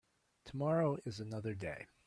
Tomorrow is another day.